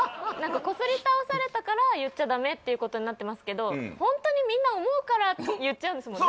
コスり倒されたから言っちゃダメっていうことになってますけどホントにみんな思うから言っちゃうんですもんね